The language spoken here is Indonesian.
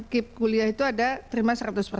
kuliah itu ada terima seratus